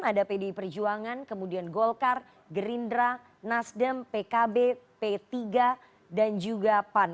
ada pdi perjuangan kemudian golkar gerindra nasdem pkb p tiga dan juga pan